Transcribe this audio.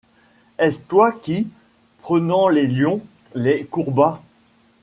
Est-ce toi qui, prenant les lions, les courbas